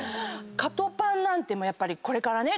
カトパンなんてやっぱりこれからね。